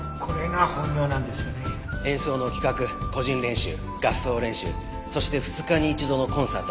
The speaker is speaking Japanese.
演奏の企画個人練習合奏練習そして２日に１度のコンサート。